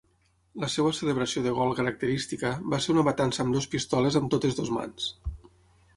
La seva celebració de gol característica va ser una matança amb dues pistoles amb totes dues mans.